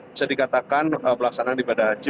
bisa dikatakan pelaksanaan ibadah haji